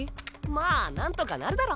まあなんとかなるだろ。